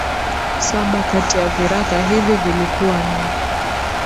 Saba kati ya viraka hivi vilikuwa na